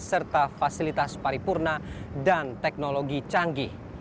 serta fasilitas paripurna dan teknologi canggih